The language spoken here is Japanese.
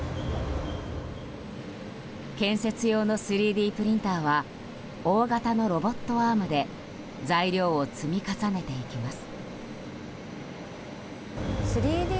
建設用の３Ｄプリンターは大型のロボットアームで材料を積み重ねていきます。